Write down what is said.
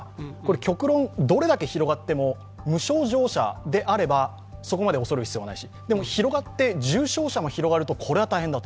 極論、どれだけ広がっても無症状者であればそこまで恐れる必要はないしでも、広がって、重症者が広がると、これは大変だと。